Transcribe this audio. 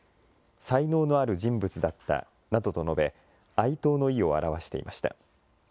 才能のある人物だったなどと述べ、哀悼の意を表していました。